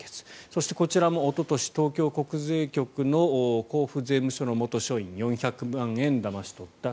そして、こちらもおととし東京国税局の甲府税務署の元職員４００万円だまし取った。